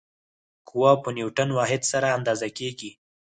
قوه په نیوټن واحد سره اندازه کېږي.